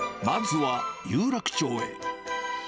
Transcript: まずは有楽町へ。